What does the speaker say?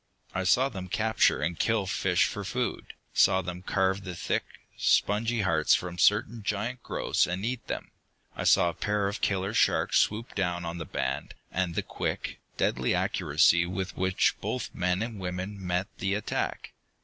I saw them capture and kill fish for food, saw them carve the thick, spongy hearts from certain giant growths and eat them. I saw a pair of killer sharks swoop down on the band, and the quick, deadly accuracy with which both men and woman met the attack.